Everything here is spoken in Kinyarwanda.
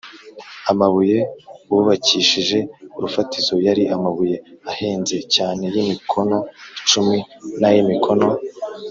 Amabuye bubakishije urufatiro yari amabuye ahenze cyane y imikono icumi n ay imikono